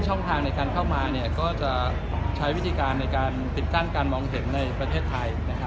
ช่องทางในการเข้ามาก็จะใช้วิธีการในการปิดกั้นการมองเห็นในประเทศไทย